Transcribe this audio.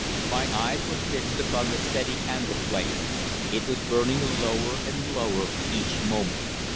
My eyes were fixed upon the steady candle flame. It was burning lower and lower each moment.